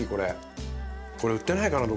これ売ってないかな？